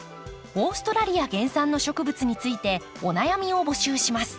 オーストラリア原産の植物についてお悩みを募集します。